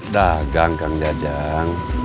dah gang gang jajang